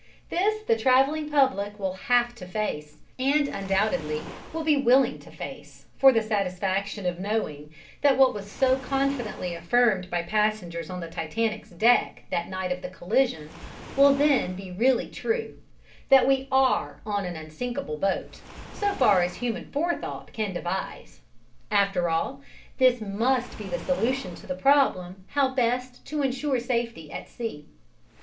This the travelling public will have to face and undoubtedly will be willing to face for the satisfaction of knowing that what was so confidently affirmed by passengers on the Titanic's deck that night of the collision will then be really true, that "we are on an unsinkable boat," so far as human forethought can devise. After all, this must be the solution to the problem how best to ensure safety at sea.